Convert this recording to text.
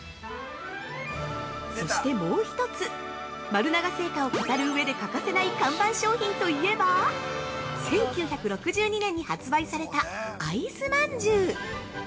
そしてもう一つ、丸永製菓を語る上で欠かせない看板商品といえば１９６２年に発売された「あいすまんじゅう」。